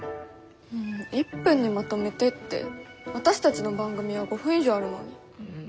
１分にまとめてって私たちの番組は５分以上あるのに。